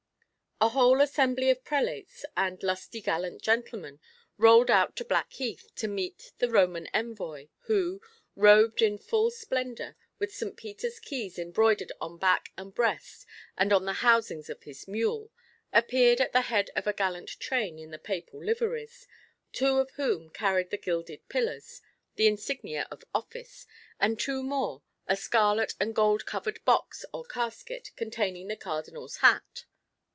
A whole assembly of prelates and "lusty gallant gentlemen" rode out to Blackheath to meet the Roman envoy, who, robed in full splendour, with St. Peter's keys embroidered on back and breast and on the housings of his mule, appeared at the head of a gallant train in the papal liveries, two of whom carried the gilded pillars, the insignia of office, and two more, a scarlet and gold covered box or casket containing the Cardinal's hat.